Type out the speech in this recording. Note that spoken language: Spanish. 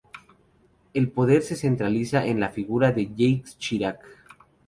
El poder se centraliza en la figura de Jacques Chirac.